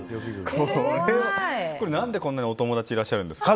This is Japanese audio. これは、何でこんなにお友達がいらっしゃるんですか？